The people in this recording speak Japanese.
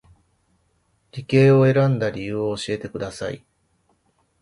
理系を選んだ理由を教えてください